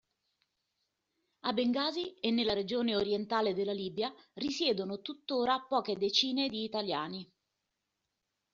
A Bengasi e nella regione orientale della Libia risiedono tuttora poche decine di italiani.